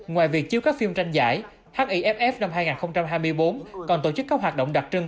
ngoài việc chiếu các phim tranh giải hiff năm hai nghìn hai mươi bốn còn tổ chức các hoạt động đặc trưng